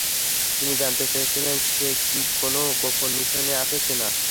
তিনি জানতে চেয়েছিলেন সে কি কোনও গোপন মিশনে আছে কিনা?